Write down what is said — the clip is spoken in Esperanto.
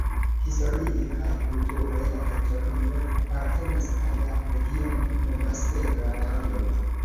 Historie kaj kulture la teritorio apartenas al la regiono Monastera Lando.